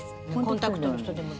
コンタクトの人でも。